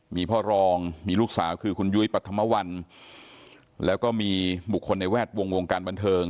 มีพ่อรองมีลูกสาวคือคุณยุ้ยปรัฐมวัลแล้วก็มีบุคคลในแวดวงวงการบันเทิง